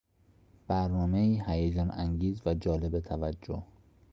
برنامهای هیجان انگیز و جالب توجه